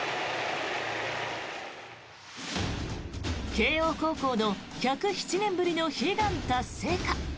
慶応高校の１０７年ぶりの悲願達成か